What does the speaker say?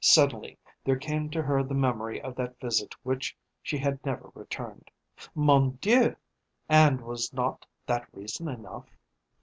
Suddenly there came to her the memory of that visit which she had never returned. Mon Dieu! and was not that reason enough?